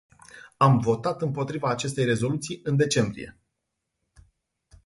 Am votat împotriva acestei rezoluții în decembrie.